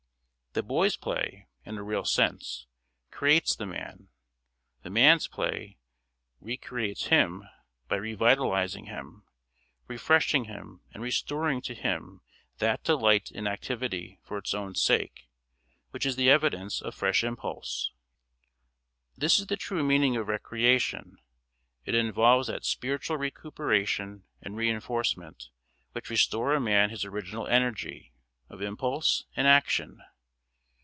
The boy's play, in a real sense, creates the man; the man's play re creates him by re vitalising him, refreshing him and restoring to him that delight in activity for its own sake which is the evidence of fresh impulse. This is the true meaning of recreation; it involves that spiritual recuperation and reinforcement which restore a man his original energy of impulse and action.